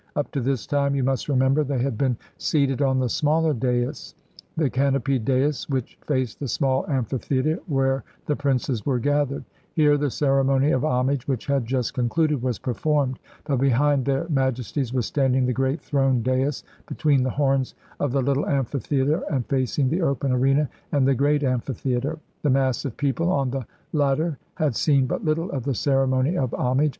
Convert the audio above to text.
Up to this time, you must remember, they had been 254 THE CORONATION DURBAR OF 191 1 seated on the smaller dais, the canopied dais which faced the small amphitheater where the princes were gathered. Here the ceremony of homage, which had just concluded, was performed. But behind Their Majesties was standing the great throne dais between the horns of the little amphitheater and facing the open arena and the great amphitheater. The mass of people on the latter had seen but little of the ceremony of homage.